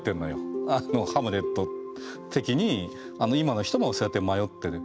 ハムレット的に今の人もそうやって迷ってる。